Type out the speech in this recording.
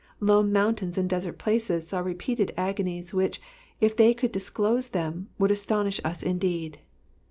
Lone mountains and desert places saw repeated agonies, which, if they could disclose them, would astonish us indeed.